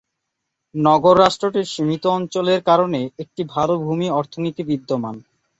নগর রাষ্ট্রটির সীমিত অঞ্চলের কারণে একটি ভালো ভূমি অর্থনীতি বিদ্যমান।